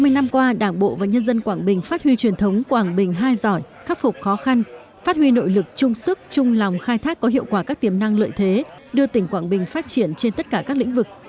ba mươi năm qua đảng bộ và nhân dân quảng bình phát huy truyền thống quảng bình hai giỏi khắc phục khó khăn phát huy nội lực trung sức trung lòng khai thác có hiệu quả các tiềm năng lợi thế đưa tỉnh quảng bình phát triển trên tất cả các lĩnh vực